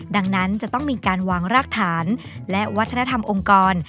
ดังนั้นจะต้องมีการวางรากฐานและวัฒนธรรมองค์กร